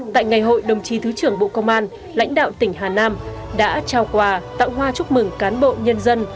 tại ngày hội đồng chí thứ trưởng bộ công an lãnh đạo tỉnh hà nam đã trao quà tặng hoa chúc mừng cán bộ nhân dân